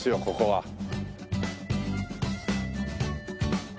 ここは。